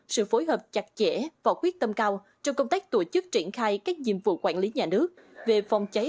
sự phối hợp chặt chẽ và quyết tâm cao trong công tác tổ chức triển khai các nhiệm vụ quản lý nhà nước về phòng cháy